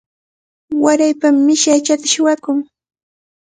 Waraypami mishi aychata suwakun.